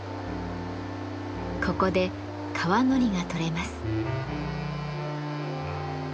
ここで川海苔が採れます。